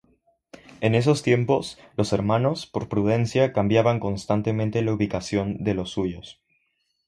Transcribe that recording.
En esos tiempos, los Hermanos, por prudencia, cambiaban constantemente la ubicación de los suyos.